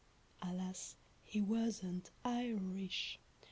Alas, he wasn't Irish.